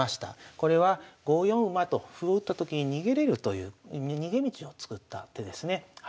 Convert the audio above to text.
これは５四馬と歩を打ったときに逃げれるという逃げ道を作った手ですね。